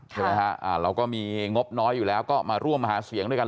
ใช่ไหมฮะเราก็มีงบน้อยอยู่แล้วก็มาร่วมหาเสียงด้วยกัน